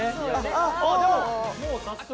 ああでももう早速。